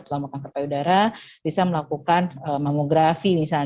telah mengangkat payudara bisa melakukan mamografi